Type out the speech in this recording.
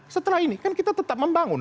setelah ini kan kita tetap membangun